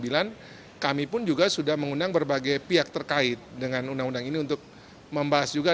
dan kami pun juga sudah mengundang berbagai pihak terkait dengan undang undang ini untuk membahas juga